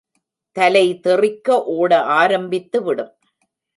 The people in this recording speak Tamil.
தலை தெறிக்க ஒட ஆரம்பித்து விடும்.